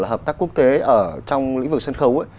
hợp tác quốc tế trong lĩnh vực sân khấu